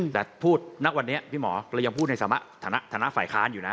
แต่พูดณวันนี้พี่หมอเรายังพูดในฐานะฝ่ายค้านอยู่นะ